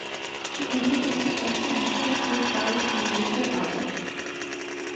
کہ انہیں کسی ایسی ہستی کی تائید میسر آ جائے